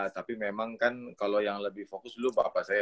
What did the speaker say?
tapi memang kan kalau yang lebih fokus dulu bapak saya